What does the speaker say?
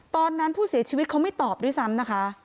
ตอนนั้นผู้เสียชีวิตเขาไม่ตอบด้วยซ้ำนะคะ